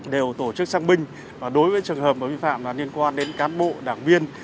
đều tổ chức sang binh và đối với trường hợp vi phạm liên quan đến cán bộ đảng viên